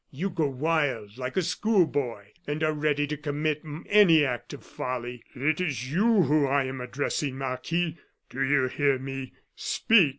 You go wild like a school boy and are ready to commit any act of folly. It is you who I am addressing, Marquis. Do you hear me? Speak!